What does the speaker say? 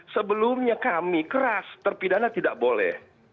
sebelumnya kami keras terpidana tidak boleh